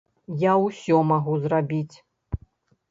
Я ўсё магу зрабіць!